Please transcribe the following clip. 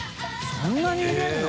そんなに入れるの？